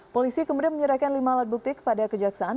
polisi kemudian menyerahkan lima alat bukti kepada kejaksaan